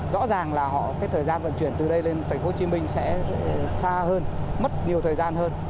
rõ ràng là cái thời gian vận chuyển từ đây lên tp hcm sẽ xa hơn mất nhiều thời gian hơn